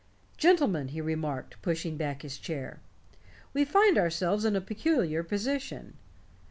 "Gentlemen," he remarked, pushing back his chair, "we find ourselves in a peculiar position.